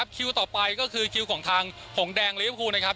คิวต่อไปก็คือคิวของทางหงแดงลิเวฟูนะครับ